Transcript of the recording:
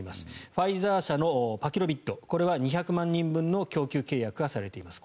ファイザー社のパキロビッドこれは２００万人分の供給契約がされています